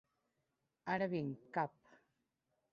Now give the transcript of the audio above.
Ara vinc, cap!